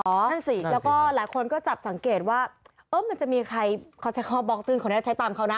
นั่นสินั่นสิแล้วก็หลายคนก็จับสังเกตว่าเอ๊ะมันจะมีใครเขาใช้ข้อบองตื้นเขาเนี่ยใช้ตามเขานะ